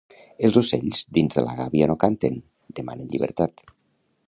Els ocells dins de la gàbia no canten, demanen llibertat.